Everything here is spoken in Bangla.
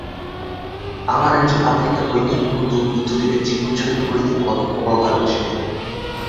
আমার একজন আমেরিকান বৈজ্ঞানিক বন্ধু বুদ্ধদেবের জীবনচরিত পড়িতে বড় ভালবাসিতেন।